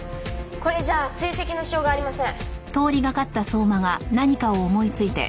これじゃあ追跡のしようがありません。